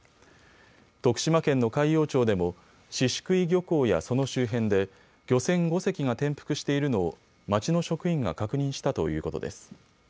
徳島県の海陽町でも宍喰漁港やその周辺で漁船５隻が転覆しているのを町の職員が確認したということです。